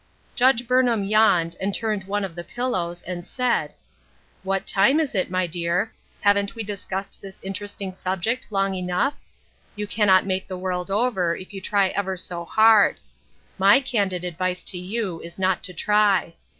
Judge Burnham yawned and turned one of the pillows and said :—" What time is it, my dear ? Haven't we dis cussed this interesting subject long enough ? You cannot make the world over if you try ever so hard. My candid advice to you is not to try.